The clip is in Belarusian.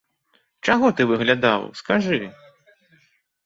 Чаго ты выглядаў, скажы?